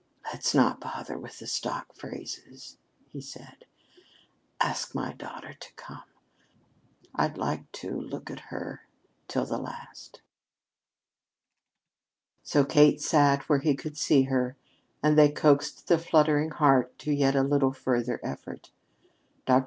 "Let's not bother with the stock phrases," he said. "Ask my daughter to come. I'd like to look at her till the last." So Kate sat where he could see her, and they coaxed the fluttering heart to yet a little further effort. Dr.